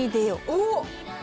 おっ！